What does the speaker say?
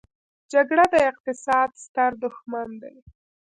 جګړه د اقتصاد ستر دښمن دی.